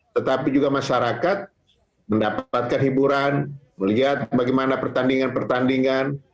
tetapi juga masyarakat mendapatkan hiburan melihat bagaimana pertandingan pertandingan